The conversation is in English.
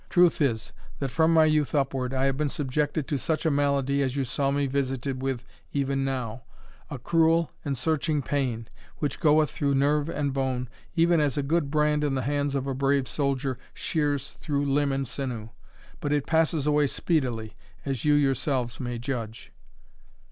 Truth is, that from my youth upward, I have been subjected to such a malady as you saw me visited with even now a cruel and searching pain, which goeth through nerve and bone, even as a good brand in the hands of a brave soldier sheers through limb and sinew but it passes away speedily, as you yourselves may judge."